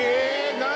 何？